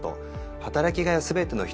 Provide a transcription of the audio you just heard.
「働きがいをすべての人へ」